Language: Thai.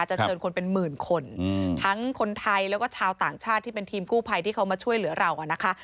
เชิญคนเป็นหมื่นคนทั้งคนไทยแล้วก็ชาวต่างชาติที่เป็นทีมกู้ภัยที่เขามาช่วยเหลือเรานะคะ